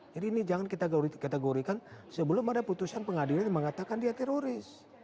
jadi ini jangan kita kategorikan sebelum ada putusan pengadilan mengatakan dia teroris